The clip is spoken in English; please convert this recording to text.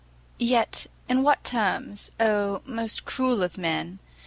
Yet, in what terms, Oh, most cruel of men!